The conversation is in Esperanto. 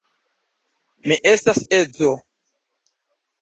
Mi estas edzo.